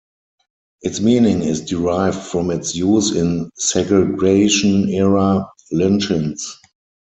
Its meaning is derived from its use in segregation era lynchings.